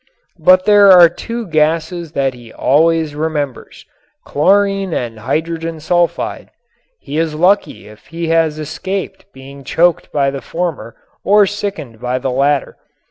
But there are two gases that he always remembers, chlorine and hydrogen sulfide. He is lucky if he has escaped being choked by the former or sickened by the latter.